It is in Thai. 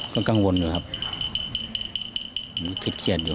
ก็กังวลอยู่ครับคิดเครียดอยู่